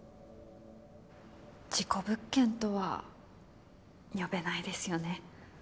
事故物件とは呼べないですよね。